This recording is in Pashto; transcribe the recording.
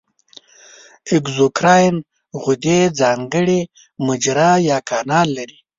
اګزوکراین غدې ځانګړې مجرا یا کانال لري.